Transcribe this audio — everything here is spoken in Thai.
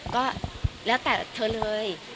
ก็แล้วแต่เธอเลย